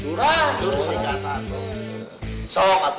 curhatan sih kata atu